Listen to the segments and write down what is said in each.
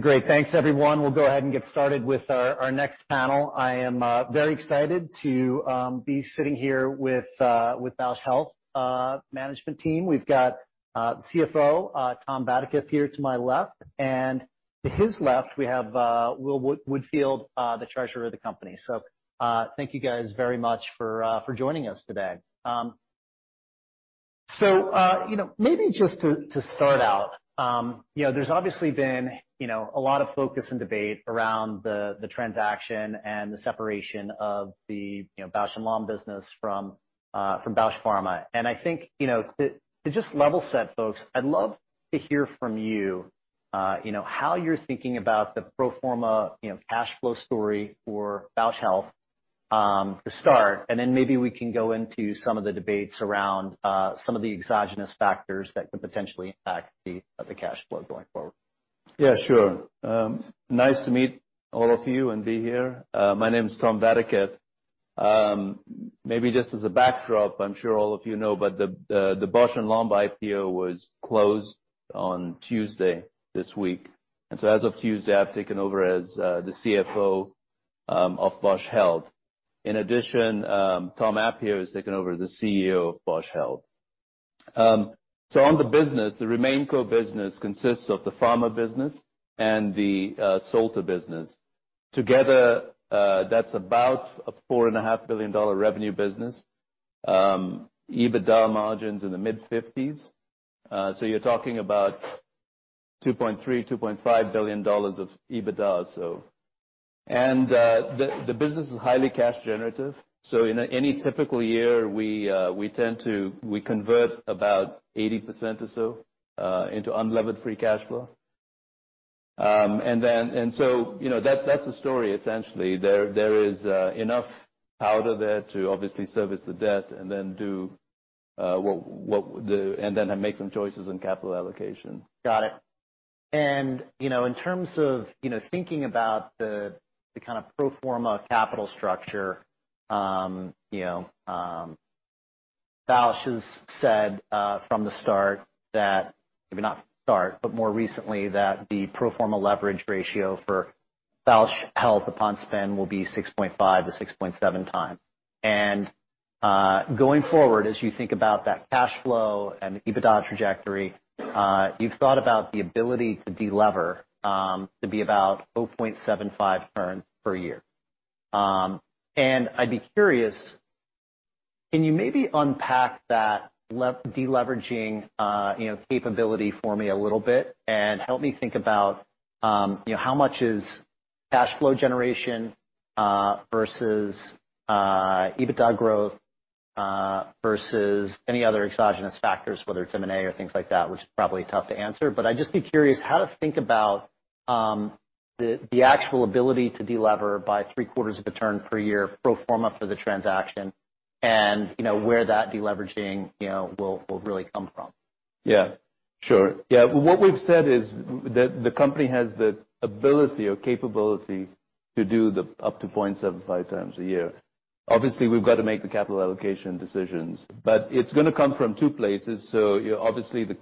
Great. Thanks everyone. We'll go ahead and get started with our next panel. I am very excited to be sitting here with Bausch Health management team. We've got CFO Tom Vadaketh here to my left, and to his left, we have Will Woodfield, the treasurer of the company. Thank you guys very much for joining us today. You know, maybe just to start out, you know, there's obviously been a lot of focus and debate around the transaction and the separation of the Bausch + Lomb business from Bausch Pharma. I think, you know, to just level set folks, I'd love to hear from you know, how you're thinking about the pro forma, you know, cash flow story for Bausch Health, to start, and then maybe we can go into some of the debates around, some of the exogenous factors that could potentially impact the cash flow going forward. Yeah, sure. Nice to meet all of you and been here. My name is Tom Vadaketh. Maybe just as a backdrop, I'm sure all of you know about the Bausch + Lomb IPO was closed on Tuesday this week. As of Tuesday, I've taken over as the CFO of Bausch Health. In addition, Tom Appio here has taken over as the CEO of Bausch Health. On the business, the remainco business consists of the pharma business and the Solta business. Together, that's about a $4.5 billion revenue business. EBITDA margins in the mid-50s%. You're talking about $2.3billion-$2.5 billion of EBITDA. The business is highly cash generative. In any typical year, we tend to convert about 80% or so into unlevered free cash flow. You know, that's the story essentially. There is enough power there to obviously service the debt and then make some choices on capital allocation. Got it. You know, in terms of, you know, thinking about the kind of pro forma capital structure, you know, Bausch has said, from the start that, maybe not start, but more recently that the pro forma leverage ratio for Bausch Health upon spin will be 6.5x-6.7x. Going forward, as you think about that cash flow and the EBITDA trajectory, you've thought about the ability to delever, to be about 0.75 turns per year. I'd be curious, can you maybe unpack that deleveraging, you know, capability for me a little bit and help me think about, you know, how much is cash flow generation, versus, EBITDA growth, versus any other exogenous factors, whether it's M&A or things like that, which is probably tough to answer. But I'd just be curious how to think about, the actual ability to delever by three-quarters of a turn per year pro forma for the transaction and, you know, where that deleveraging, you know, will really come from. Yeah, sure. Yeah. What we've said is the company has the ability or capability to do up to 0.75x a year. Obviously, we've got to make the capital allocation decisions, but it's gonna come from two places. Obviously, the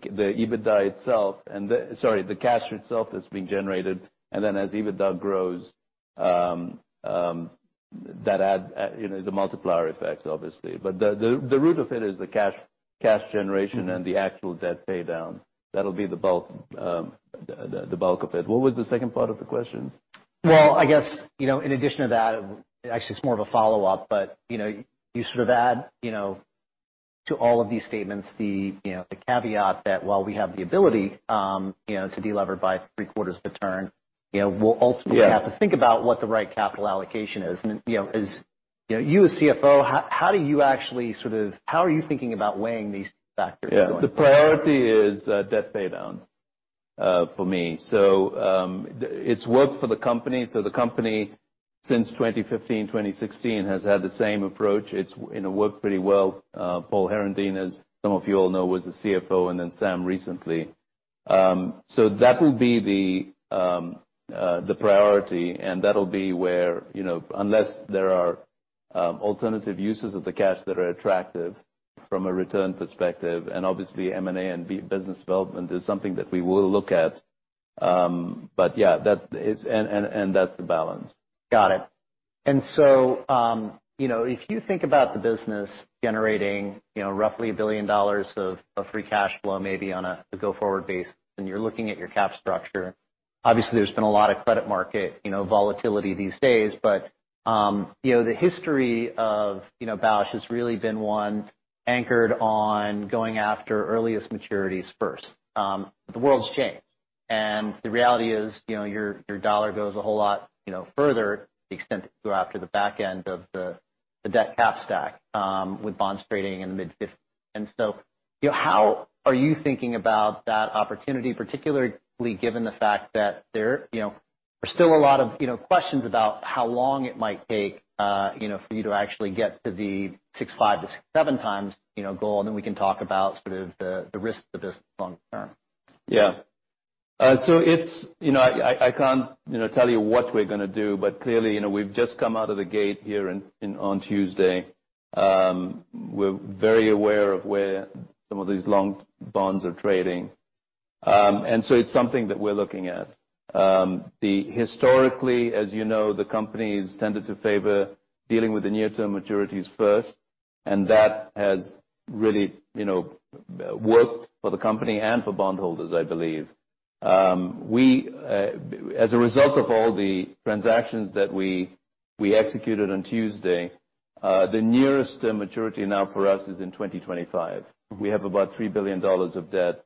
cash itself is being generated. Then as EBITDA grows, that adds, you know, a multiplier effect, obviously. The root of it is the cash generation and the actual debt pay down. That'll be the bulk of it. What was the second part of the question? Well, I guess, you know, in addition to that, actually it's more of a follow-up, but, you know, you sort of add, you know, to all of these statements the, you know, the caveat that while we have the ability, you know, to delever by three-quarters of a turn, you know, we'll ultimately. Yeah. Have to think about what the right capital allocation is. You know, as you know, you as CFO, how are you thinking about weighing these factors going forward? Yeah. The priority is debt pay down for me. It's worked for the company. The company since 2015, 2016 has had the same approach. It's, you know, worked pretty well. Paul Herendeen, as some of you all know, was the CFO, and then Sam recently. That will be the priority, and that'll be where, you know, unless there are alternative uses of the cash that are attractive from a return perspective, and obviously M&A and business development is something that we will look at. Yeah, that's the balance. Got it. You know, if you think about the business generating, you know, roughly $1 billion of free cash flow maybe on a go-forward basis, and you're looking at your cap structure, obviously there's been a lot of credit market, you know, volatility these days. The history of, you know, Bausch has really been one anchored on going after earliest maturities first. The world's changed, and the reality is, you know, your dollar goes a whole lot, you know, further to the extent that you go after the back end of the debt cap stack with bonds trading in the mid-fifties. You know, how are you thinking about that opportunity, particularly given the fact that there, you know, are still a lot of, you know, questions about how long it might take, you know, for you to actually get to the 6.5x-7x, you know, goal, and then we can talk about sort of the risks of this long term? Yeah. So it's, you know, I can't, you know, tell you what we're gonna do, but clearly, you know, we've just come out of the gate here on Tuesday. We're very aware of where some of these long bonds are trading. It's something that we're looking at. Historically, as you know, the companies tended to favor dealing with the near-term maturities first, and that has really, you know, worked for the company and for bondholders, I believe. As a result of all the transactions that we executed on Tuesday, the nearest maturity now for us is in 2025. We have about $3 billion of debt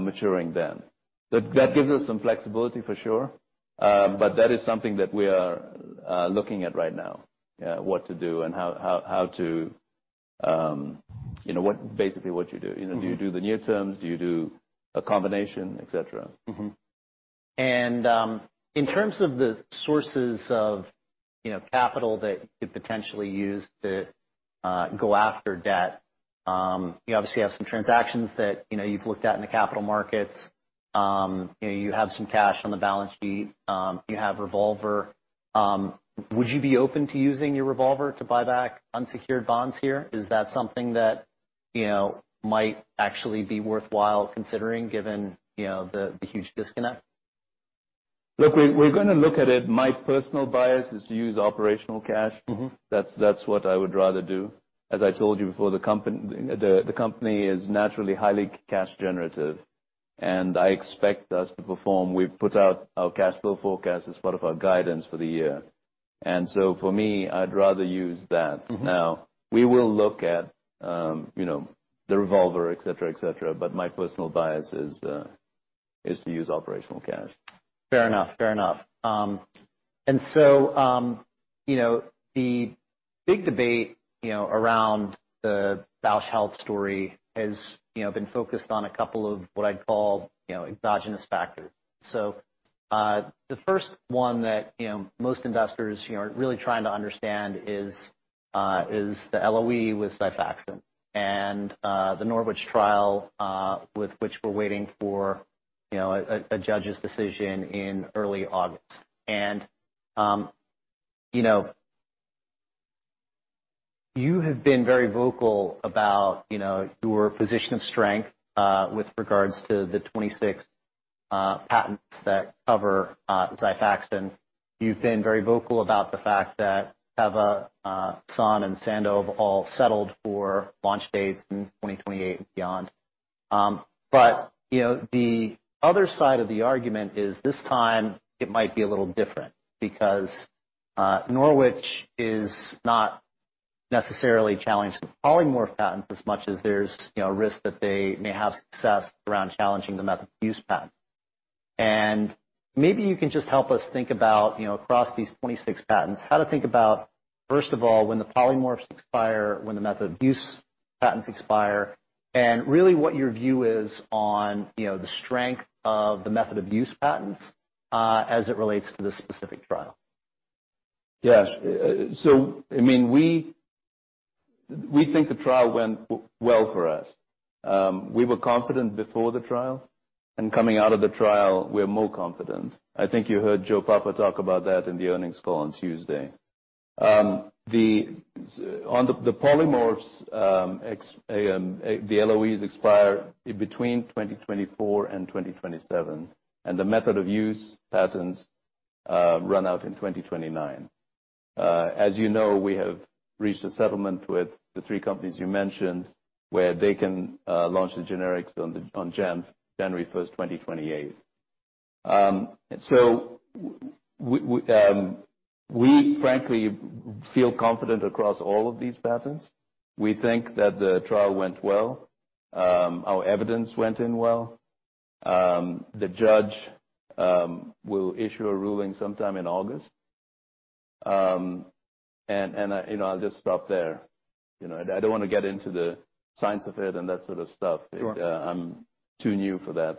maturing then. That gives us some flexibility, for sure, but that is something that we are looking at right now, what to do and how to, you know, basically what you do. You know, do you do the near terms? Do you do a combination, et cetera? Mm-hmm. In terms of the sources of, you know, capital that you could potentially use to go after debt, you obviously have some transactions that, you know, you've looked at in the capital markets. You know, you have some cash on the balance sheet. You have revolver. Would you be open to using your revolver to buy back unsecured bonds here? Is that something that, you know, might actually be worthwhile considering given, you know, the huge disconnect? Look, we're gonna look at it. My personal bias is to use operational cash. Mm-hmm. That's what I would rather do. As I told you before, the company is naturally highly cash generative, and I expect us to perform. We've put out our cash flow forecast as part of our guidance for the year. For me, I'd rather use that. Mm-hmm. Now, we will look at, uhm you know, the revolver, et cetera, et cetera, but my personal bias is to use operational cash. Fair enough. You know, the big debate, you know, around the Bausch Health story has, you know, been focused on a couple of what I'd call, you know, exogenous factors. The first one that, you know, most investors, you know, are really trying to understand is the LOE with Xifaxan and the Norwich trial, with which we're waiting for, you know, a judge's decision in early August. You know, you have been very vocal about, you know, your position of strength, with regards to the 26 patents that cover Xifaxan. You've been very vocal about the fact that Teva, Sun, and Sandoz all settled for launch dates in 2028 and beyond. You know, the other side of the argument is this time it might be a little different because Norwich is not necessarily challenged the polymorph patents as much as there's, you know, risk that they may have success around challenging the method of use patents. Maybe you can just help us think about, you know, across these 26 patents, how to think about, first of all, when the polymorphs expire, when the method of use patents expire, and really what your view is on, you know, the strength of the method of use patents as it relates to this specific trial. Yes. I mean, we think the trial went well for us. We were confident before the trial, and coming out of the trial, we're more confident. I think you heard Joe Papa talk about that in the earnings call on Tuesday. On the polymorphs, the LOEs expire between 2024 and 2027, and the method of use patents run out in 2029. As you know, we have reached a settlement with the three companies you mentioned, where they can launch the generics on January 1st, 2028. We frankly feel confident across all of these patents. We think that the trial went well. Our evidence went in well. The judge will issue a ruling sometime in August. And you know, I'll just stop there. You know, I don't want to get into the science of it and that sort of stuff. Sure. I'm too new for that.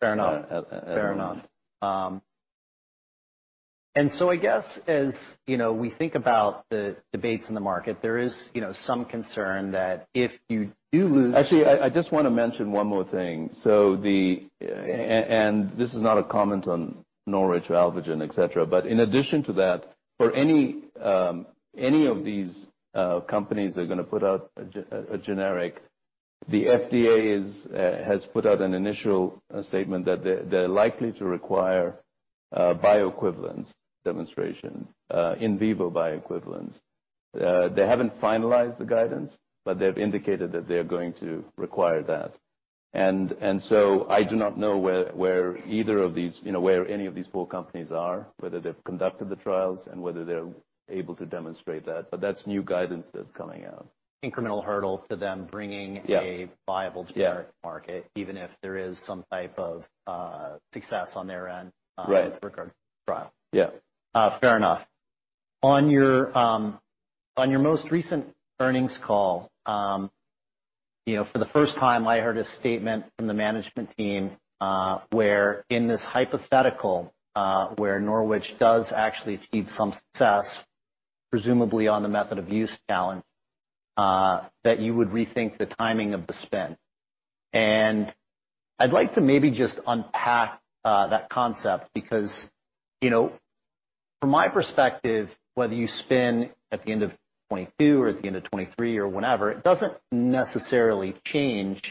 Fair enough. At, at- Fair enough. I guess as, you know, we think about the debates in the market, there is, you know, some concern that if you do lose- Actually, I just wanna mention one more thing. This is not a comment on Norwich or Alvogen, et cetera, but in addition to that, for any of these companies that are gonna put out a generic, the FDA has put out an initial statement that they're likely to require a bioequivalence demonstration, in vivo bioequivalence. They haven't finalized the guidance, but they've indicated that they're going to require that. I do not know where either of these, you know, where any of these four companies are, whether they've conducted the trials and whether they're able to demonstrate that, but that's new guidance that's coming out. Incremental hurdle to them bringing Yeah. a viable generic to market, even if there is some type of success on their end. Right. With regard to the trial. Yeah. Fair enough. On your most recent earnings call, you know, for the first time, I heard a statement from the management team, where in this hypothetical, where Norwich does actually achieve some success, presumably on the method of use challenge, that you would rethink the timing of the spin. I'd like to maybe just unpack that concept because, you know, from my perspective, whether you spin at the end of 2022 or at the end of 2023 or whenever, it doesn't necessarily change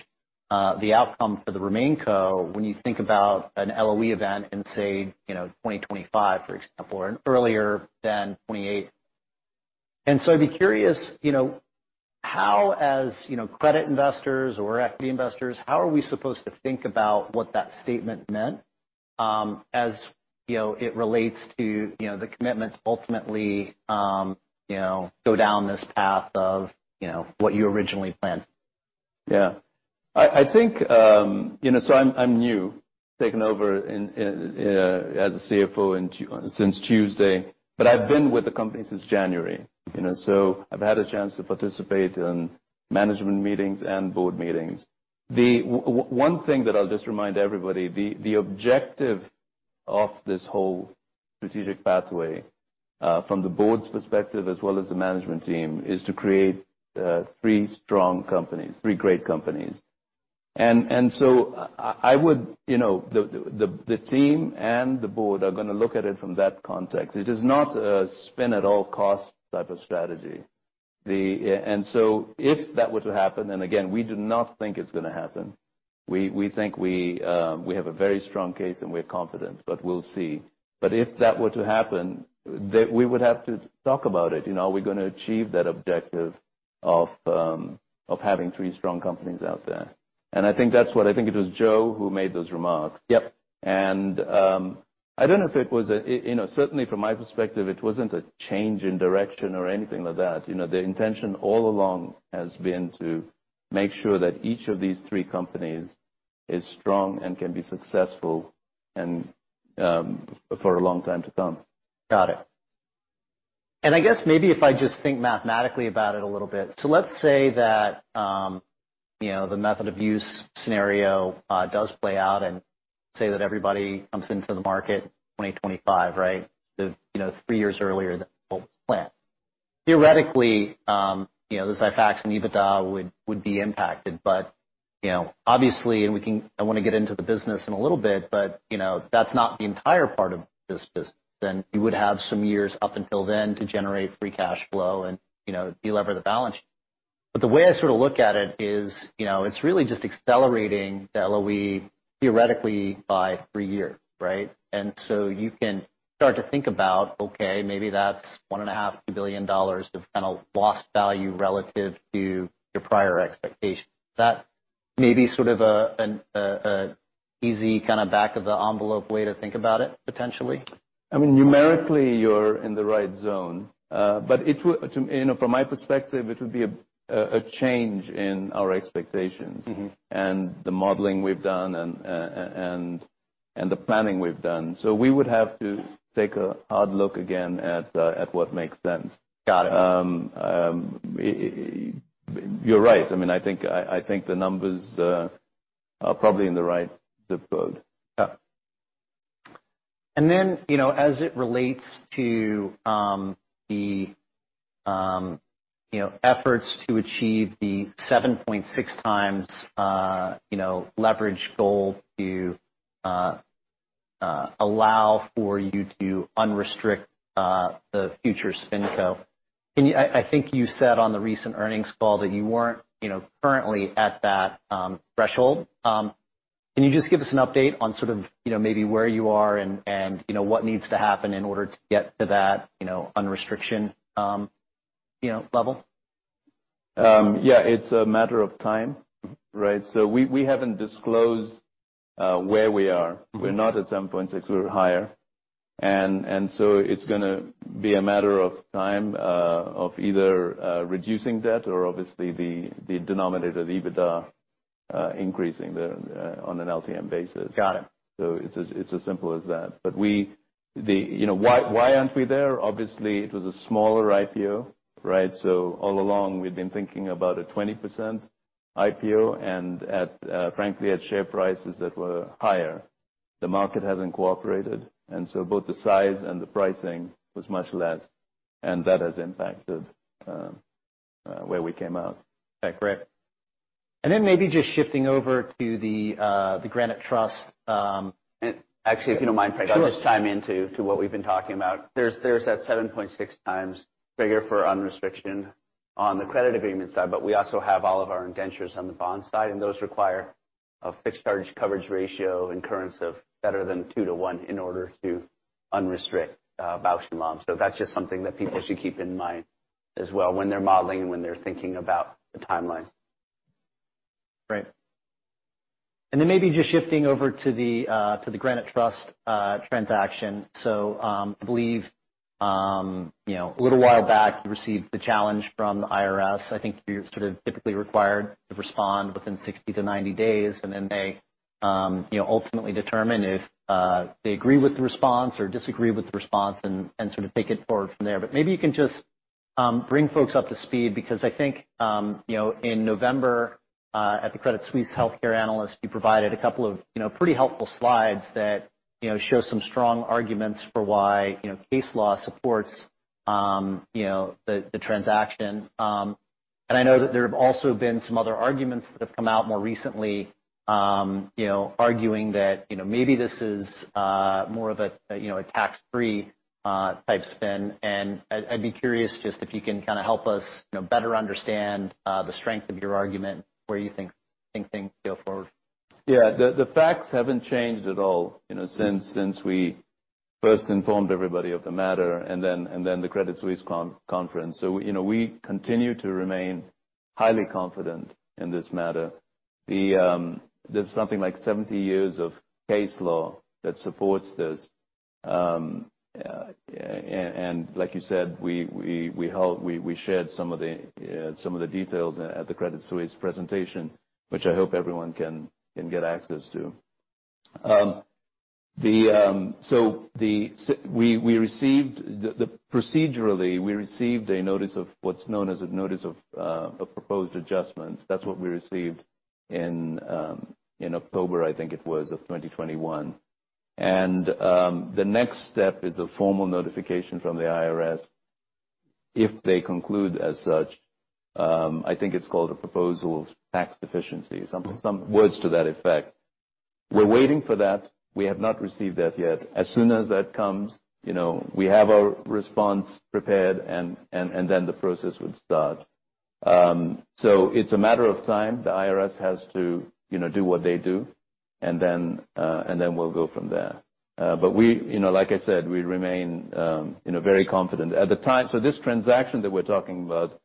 the outcome for the RemainCo when you think about an LOE event in, say, you know, 2025, for example, or earlier than 2028. I'd be curious, you know, how, as, you know, credit investors or equity investors, how are we supposed to think about what that statement meant, as, you know, it relates to, you know, the commitment to ultimately, you know, go down this path of, you know, what you originally planned? Yeah. I think, you know, I'm new, taking over as a CFO since Tuesday. But I've been with the company since January. You know, I've had a chance to participate in management meetings and board meetings. One thing that I'll just remind everybody, the objective of this whole strategic pathway from the board's perspective as well as the management team, is to create three strong companies, three great companies. You know, the team and the board are gonna look at it from that context. It is not a spin at all costs type of strategy. If that were to happen, and again, we do not think it's gonna happen, we think we have a very strong case and we're confident, but we'll see. If that were to happen, we would have to talk about it. You know, are we gonna achieve that objective of having three strong companies out there? I think that's what I think it was Joe who made those remarks. Yep. I don't know if it was, you know, certainly from my perspective, it wasn't a change in direction or anything like that. You know, the intention all along has been to make sure that each of these three companies is strong and can be successful and for a long time to come. Got it. I guess maybe if I just think mathematically about it a little bit. Let's say that, you know, the method of use scenario does play out and say that everybody comes into the market 2025, right? You know, three years earlier than people planned. Theoretically, you know, the Xifaxan and EBITDA would be impacted. Obviously, I wanna get into the business in a little bit, but, you know, that's not the entire part of this business. You would have some years up until then to generate free cash flow and, you know, delever the balance sheet. The way I sort of look at it is, you know, it's really just accelerating the LOE theoretically by three years, right? You can start to think about, okay, maybe that's $1.5billion-$2 billion of kinda lost value relative to your prior expectations. Is that maybe sort of an easy kinda back-of-the-envelope way to think about it, potentially? I mean, numerically, you're in the right zone. You know, from my perspective, it would be a change in our expectations. Mm-hmm... and the modeling we've done and the planning we've done. We would have to take a hard look again at what makes sense. Got it. You're right. I mean, I think the numbers are probably in the right ZIP code. Yeah. You know, as it relates to the efforts to achieve the 7.6x leverage goal to allow for you to unrestrict the future SpinCo. I think you said on the recent earnings call that you weren't you know currently at that threshold. Can you just give us an update on sort of you know maybe where you are and you know what needs to happen in order to get to that you know unrestriction level? Yeah, it's a matter of time, right? We haven't disclosed where we are. Mm-hmm. We're not at 7.6. We're higher. It's gonna be a matter of time of either reducing debt or obviously the denominator, the EBITDA increasing on an LTM basis. Got it. It's as simple as that. You know, why aren't we there? Obviously, it was a smaller IPO, right? All along, we've been thinking about a 20% IPO and, frankly, at share prices that were higher. The market hasn't cooperated, and so both the size and the pricing was much less, and that has impacted where we came out. Okay, great. Maybe just shifting over to the Granite Trust. Actually, if you don't mind, Craig- Sure. I'll just chime in to what we've been talking about. There's that 7.6x figure for unrestriction on the credit agreement side, but we also have all of our indentures on the bond side, and those require a fixed charge coverage ratio incurrence of better than 2-to-1 in order to unrestrict Bausch + Lomb. That's just something that people should keep in mind as well when they're modeling and when they're thinking about the timelines. Right. And then maybe just shifting over to the Granite Trust transaction. I believe you know a little while back you received the challenge from the IRS. I think you're sort of typically required to respond within 60 to 90 days, and then they you know ultimately determine if they agree with the response or disagree with the response and sort of take it forward from there. Maybe you can just bring folks up to speed because I think you know in November at the Credit Suisse healthcare analyst you provided a couple of you know pretty helpful slides that you know show some strong arguments for why you know case law supports you know the transaction. I know that there have also been some other arguments that have come out more recently, you know, arguing that, you know, maybe this is more of a you know, a tax-free type spin. I'd be curious just if you can kinda help us, you know, better understand the strength of your argument, where you think things go forward. Yeah. The facts haven't changed at all, you know, since we first informed everybody of the matter and then the Credit Suisse conference. You know, we continue to remain highly confident in this matter. There's something like 70 years of case law that supports this. Like you said, we shared some of the details at the Credit Suisse presentation, which I hope everyone can get access to. Procedurally, we received a notice of what's known as a notice of proposed adjustments. That's what we received in October, I think it was, of 2021. The next step is a formal notification from the IRS if they conclude as such. I think it's called a proposed tax deficiency. Mm-hmm. Some words to that effect. We're waiting for that. We have not received that yet. As soon as that comes, you know, we have our response prepared and then the process would start. It's a matter of time. The IRS has to, you know, do what they do, and then we'll go from there. We, you know, like I said, we remain, you know, very confident. At the time. This transaction that we're talking about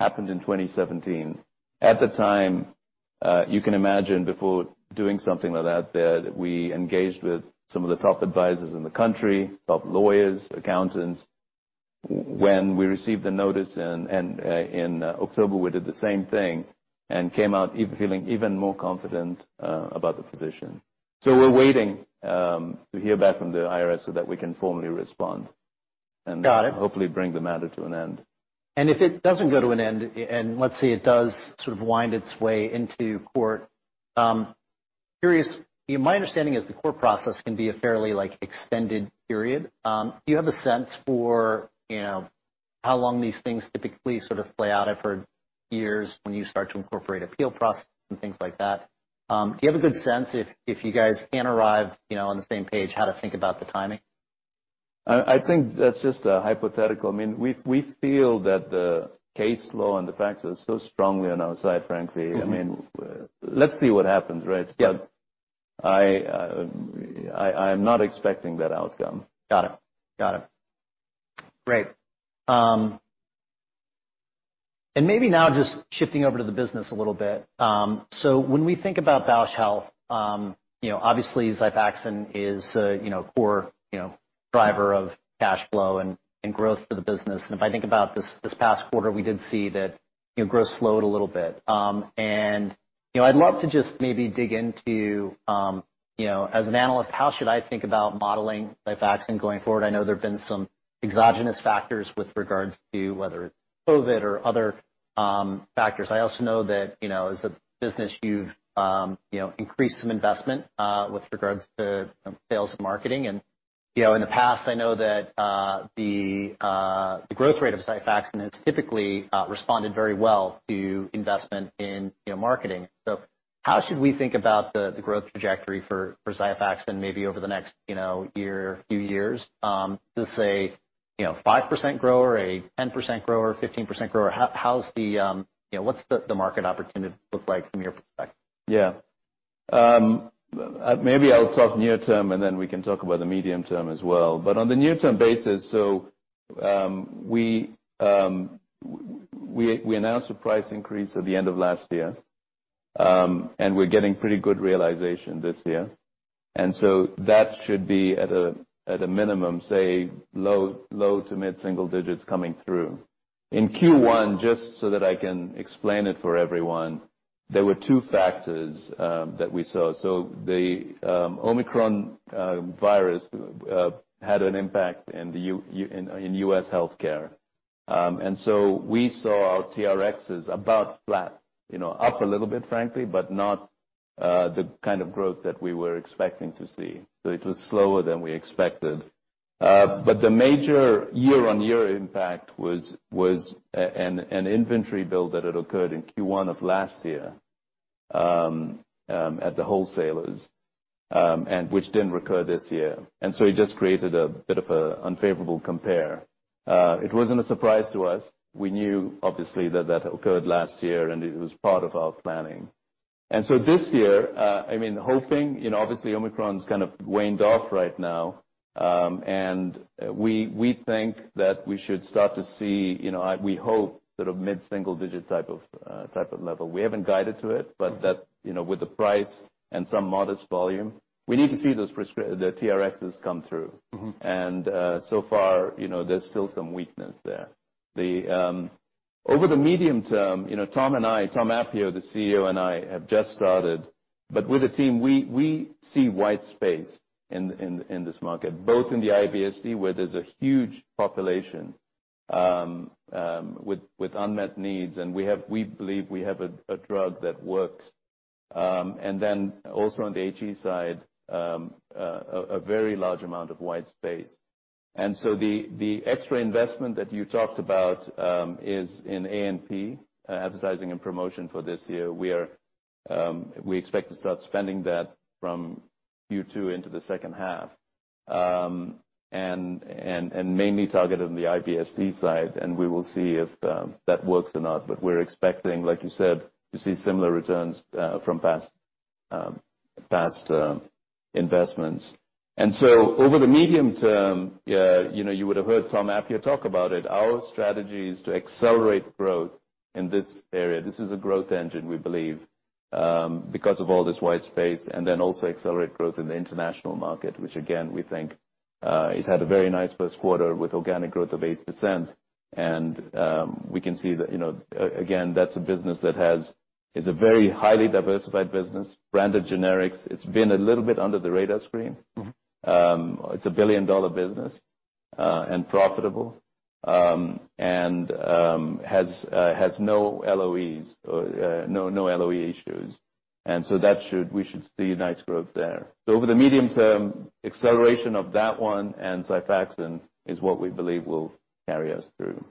happened in 2017. At the time, you can imagine before doing something like that we engaged with some of the top advisors in the country, top lawyers, accountants. When we received the notice in October, we did the same thing and came out even feeling even more confident, about the position. We're waiting to hear back from the IRS so that we can formally respond. Got it. Hopefully bring the matter to an end. If it doesn't go to an end, and let's say it does sort of wind its way into court, curious. My understanding is the court process can be a fairly, like, extended period. Do you have a sense for, you know, how long these things typically sort of play out? I've heard years when you start to incorporate appeal processes and things like that. Do you have a good sense if you guys can't arrive, you know, on the same page, how to think about the timing? I think that's just a hypothetical. I mean, we feel that the case law and the facts are so strongly on our side, frankly. Mm-hmm. I mean, let's see what happens, right? Yeah. I'm not expecting that outcome. Got it. Great. Maybe now just shifting over to the business a little bit. So when we think about Bausch Health, you know, obviously Xifaxan is a, you know, core, you know, driver of cash flow and growth for the business. If I think about this past quarter, we did see that, you know, growth slowed a little bit. You know, I'd love to just maybe dig into, you know, as an analyst, how should I think about modeling Xifaxan going forward? I know there have been some exogenous factors with regards to whether it's COVID or other factors. I also know that, you know, as a business you've, you know, increased some investment with regards to sales and marketing. You know, in the past I know that the growth rate of Xifaxan has typically responded very well to investment in, you know, marketing. How should we think about the growth trajectory for Xifaxan maybe over the next, you know, year, few years? Is this a, you know, 5% grower, a 10% grower, 15% grower? How's the, you know, what's the market opportunity look like from your perspective? Yeah. Maybe I'll talk near-term, and then we can talk about the medium-term as well. On the near-term basis, we announced a price increase at the end of last year, and we're getting pretty good realization this year. That should be at a minimum, say, low- to mid-single digits coming through. In Q1, just so that I can explain it for everyone, there were two factors that we saw. The Omicron virus had an impact in the U.S. healthcare. We saw our TRXs about flat, you know, up a little bit, frankly, but not the kind of growth that we were expecting to see. It was slower than we expected. The major year-on-year impact was an inventory build that had occurred in Q1 of last year, at the wholesalers, and which didn't recur this year. It just created a bit of an unfavorable compare. It wasn't a surprise to us. We knew obviously that occurred last year, and it was part of our planning. This year, I mean, hoping, you know, obviously Omicron's kind of waned off right now. We think that we should start to see, you know, we hope sort of mid-single digit type of level. We haven't guided to it, but that, you know, with the price and some modest volume, we need to see those the TRXs come through. Mm-hmm. So far, you know, there's still some weakness there. Over the medium term, you know, Tom Appio, the CEO, and I have just started. With the team we see white space in this market, both in the IBS-D, where there's a huge population with unmet needs, and we believe we have a drug that works. Then also on the HE side, a very large amount of white space. The extra investment that you talked about is in A&P, advertising and promotion for this year. We expect to start spending that from Q2 into the second half, and mainly targeted on the IBS-D side, and we will see if that works or not. We're expecting, like you said, to see similar returns from past investments. Over the medium term, you know, you would have heard Tom Appio talk about it, our strategy is to accelerate growth in this area. This is a growth engine, we believe, because of all this white space, and then also accelerate growth in the international market, which again, we think, it's had a very nice first quarter with organic growth of 8%. We can see that, you know, again, that's a business that is a very highly diversified business, branded generics. It's been a little bit under the radar screen. Mm-hmm. It's a billion-dollar business, and profitable, and has no LOE issues. We should see nice growth there. Over the medium term, acceleration of that one and Xifaxan is what we believe will carry us through.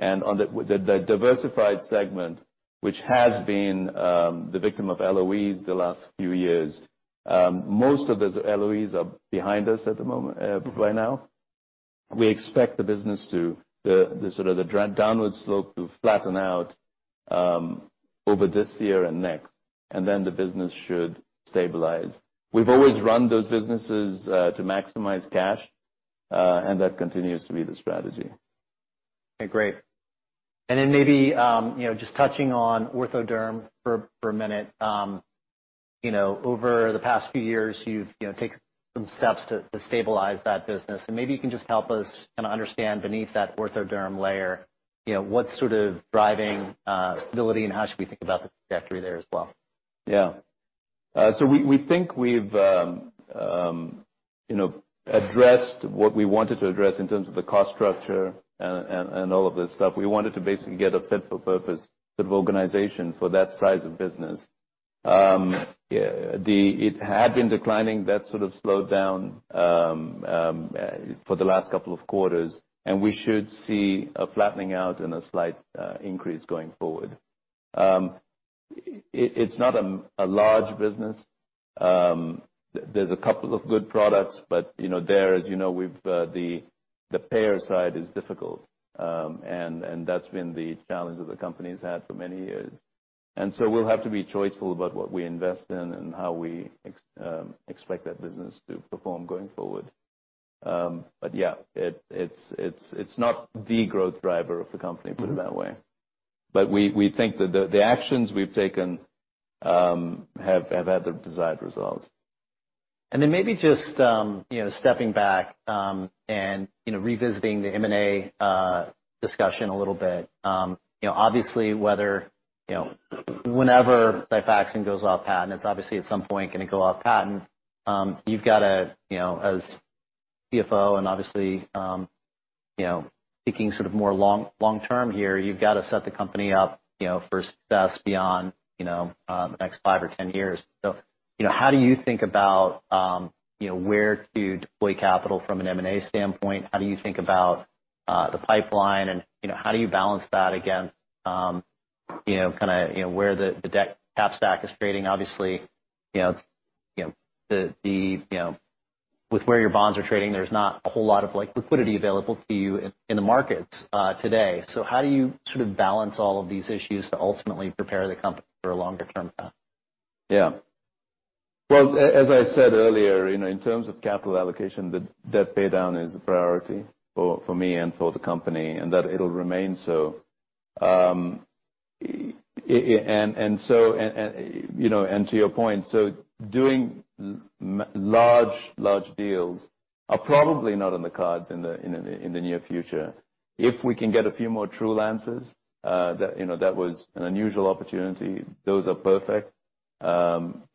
On the diversified segment, which has been the victim of LOEs the last few years, most of those LOEs are behind us at the moment, by now. We expect the sort of downward slope to flatten out over this year and next, and then the business should stabilize. We've always run those businesses to maximize cash, and that continues to be the strategy. Okay, great. Maybe, you know, just touching on Ortho Dermatologics for a minute. You know, over the past few years, you've taken some steps to stabilize that business. Maybe you can just help us kinda understand beneath that Ortho Dermatologics layer, you know, what's sort of driving stability, and how should we think about the trajectory there as well? Yeah. So we think we've, you know, addressed what we wanted to address in terms of the cost structure and all of that stuff. We wanted to basically get a fit for purpose sort of organization for that size of business. It had been declining. That sort of slowed down for the last couple of quarters, and we should see a flattening out and a slight increase going forward. It's not a large business. There's a couple of good products, but, you know, there, as you know, we've the payer side is difficult. That's been the challenge that the company's had for many years. We'll have to be choiceful about what we invest in and how we expect that business to perform going forward. Yeah, it's not the growth driver of the company, put it that way. We think that the actions we've taken have had the desired results. Maybe just, you know, stepping back and, you know, revisiting the M&A discussion a little bit. You know, obviously, whether, you know, whenever Xifaxan goes off patent, it's obviously at some point gonna go off patent, you've got to, you know, as CFO and obviously, you know, thinking sort of more long term here, you've got to set the company up, you know, for success beyond, you know, the next five or 10 years. You know, how do you think about, you know, where to deploy capital from an M&A standpoint? How do you think about the pipeline and, you know, how do you balance that against, you know, kinda, you know, where the debt cap stack is trading? Obviously, you know, you know, with where your bonds are trading, there's not a whole lot of, like, liquidity available to you in the markets today. How do you sort of balance all of these issues to ultimately prepare the company for a longer-term path? Yeah. Well, as I said earlier, you know, in terms of capital allocation, the debt paydown is a priority for me and for the company, and that it'll remain so. And to your point, doing large deals are probably not on the cards in the near future. If we can get a few more Trulances, that was an unusual opportunity. Those are perfect,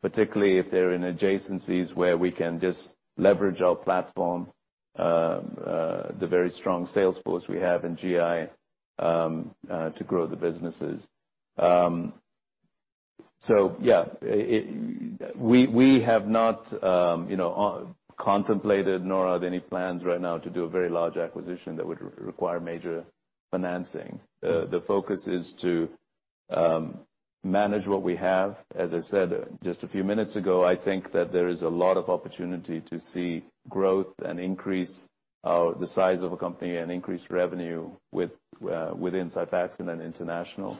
particularly if they're in adjacencies where we can just leverage our platform, the very strong sales force we have in GI, to grow the businesses. Yeah. We have not contemplated nor are there any plans right now to do a very large acquisition that would require major financing. The focus is to manage what we have. As I said just a few minutes ago, I think that there is a lot of opportunity to see growth and increase the size of a company and increase revenue within Xifaxan and international.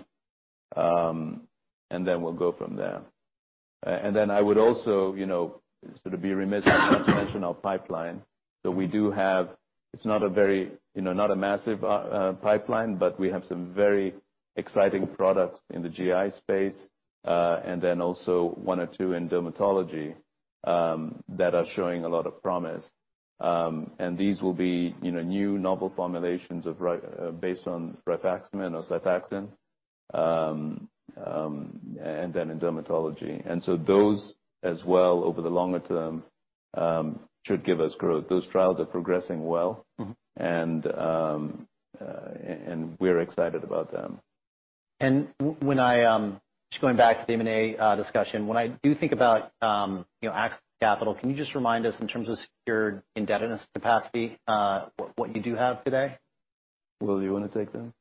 We'll go from there. I would also, you know, sort of be remiss if I didn't mention our pipeline. We do have. It's not a very, you know, not a massive pipeline, but we have some very exciting products in the GI space and then also one or two in dermatology that are showing a lot of promise. These will be, you know, new novel formulations based on rifaximin or Xifaxan and then in dermatology. Those as well, over the longer term, should give us growth. Those trials are progressing well. Mm-hmm We're excited about them. When I just going back to the M&A discussion. When I do think about, you know, access to capital, can you just remind us in terms of secured indebtedness capacity, what you do have today? Will, you wanna take that?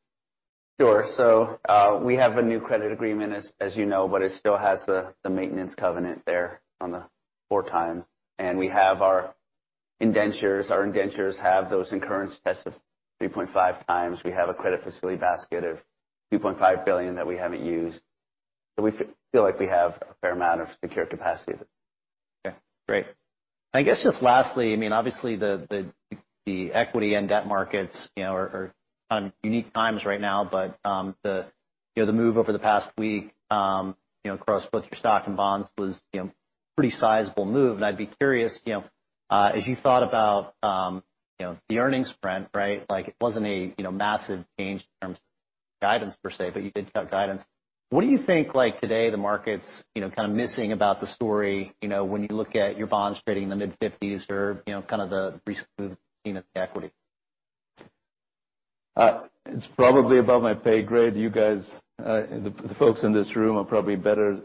Sure. We have a new credit agreement, as you know, but it still has the maintenance covenant there on the 4x. We have our indentures. Our indentures have those incurrence tests of 3.5x. We have a credit facility basket of $2.5 billion that we haven't used. We feel like we have a fair amount of secure capacity. Okay, great. I guess just lastly, I mean, obviously the equity and debt markets, you know, are on unique times right now, but you know, the move over the past week, you know, across both your stock and bonds was, you know, pretty sizable move. I'd be curious, you know, as you thought about, you know, the earnings print, right? Like, it wasn't, you know, massive change in terms of guidance per se, but you did cut guidance. What do you think, like, today, the market's, you know, kind of missing about the story, you know, when you look at your bonds trading in the mid-fifties or, you know, kind of the recent move seen at the equity? It's probably above my pay grade. You guys, the folks in this room are probably better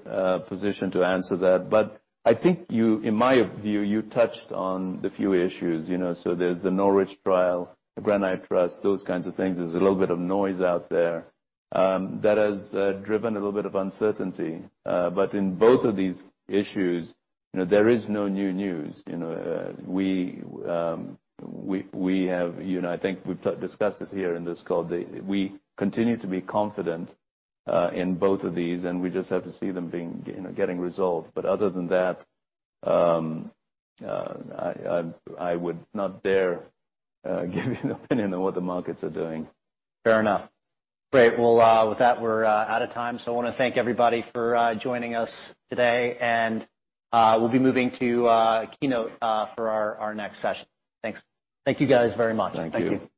positioned to answer that. I think you, in my view, you touched on the few issues, you know. There's the Norwich trial, the Granite Trust, those kinds of things. There's a little bit of noise out there that has driven a little bit of uncertainty. In both of these issues, you know, there is no new news. You know, we have, you know, and I think we've discussed this here in this call. We continue to be confident in both of these, and we just have to see them being, you know, getting resolved. Other than that, I would not dare give you an opinion on what the markets are doing. Fair enough. Great. Well, with that, we're out of time, so I wanna thank everybody for joining us today, and we'll be moving to keynote for our next session. Thanks. Thank you guys very much. Thank you.